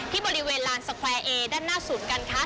ที่บริเวณลานสแควร์เอด้านหน้าศูนย์การค้า